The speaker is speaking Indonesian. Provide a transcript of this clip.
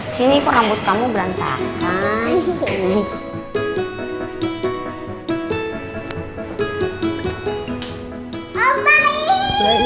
sini kok rambut kamu berantakan